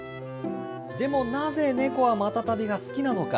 でもなぜ、猫はマタタビが好きなのか。